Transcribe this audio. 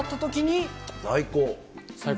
最高。